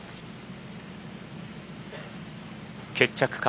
決着か